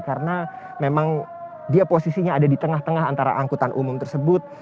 karena memang dia posisinya ada di tengah tengah antara angkutan umum tersebut